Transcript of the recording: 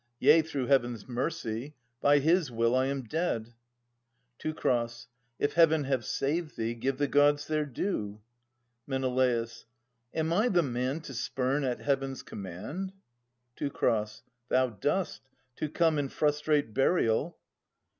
Yea, through Heaven's mercy. By his will, I am dead. Teu. If Heaven have saved thee, give the Gods their due. Men. Am I the man to spurn at Heaven's command ? Teu. Thou dost, to come and frustrate burial.